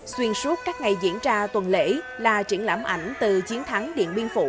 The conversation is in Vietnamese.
xuyên suốt các ngày diễn ra tuần lễ là triển lãm ảnh từ chiến thắng điện biên phủ